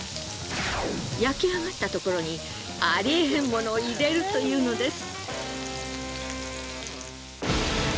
焼き上がったところにありえへんモノを入れるというのです。